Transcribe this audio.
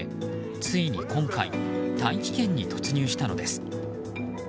ついに今回、大気圏に突入したのです。